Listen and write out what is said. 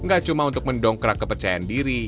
gak cuma untuk mendongkrak kepercayaan diri